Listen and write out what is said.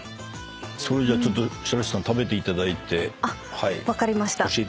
それじゃあちょっと白石さん食べていただいて教えていただけますか。